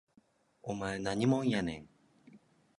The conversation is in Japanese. お前何もんやねん